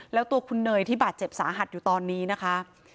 แล้วตัวคุณเนยที่บาดเจ็บสาหัสอยู่ตอนนี้นะคะ